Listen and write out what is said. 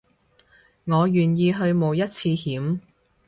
我願意去冒一次險